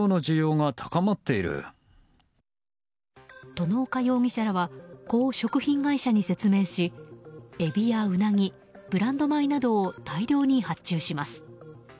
外岡容疑者らはこう食品会社に説明しエビやウナギ、ブランド米などを大量に発注します。